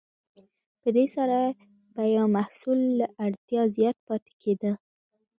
په دې سره به یو محصول له اړتیا زیات پاتې کیده.